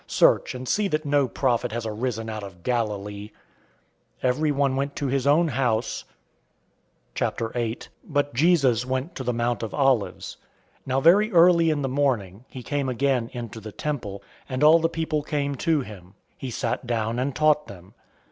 Search, and see that no prophet has arisen out of Galilee.{See Isaiah 9:1 and Matthew 4:13 16.}" 007:053 Everyone went to his own house, 008:001 but Jesus went to the Mount of Olives. 008:002 Now very early in the morning, he came again into the temple, and all the people came to him. He sat down, and taught them.